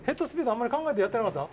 あんまり考えてやってなかった。